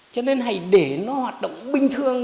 cho nên hãy để nó hoạt động bình thường